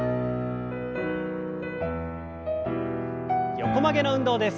横曲げの運動です。